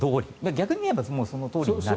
逆に言えば、そのとおりになる。